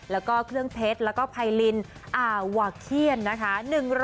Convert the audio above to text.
แล้วก็เครื่องเพชรแล้วก็ไพรินอาวาเคียนนะคะ